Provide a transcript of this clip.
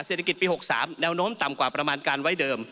เศรษฐกิจปี๖๓แนวโน้มต่ำกว่าประมาณการไว้เดิม